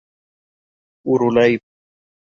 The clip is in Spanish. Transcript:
Uru Live.